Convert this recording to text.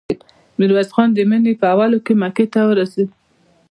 ميرويس خان د مني په اولو کې مکې ته ورسېد.